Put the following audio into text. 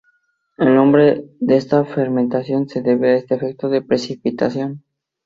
El nombre de esta fermentación se debe a este efecto de precipitación.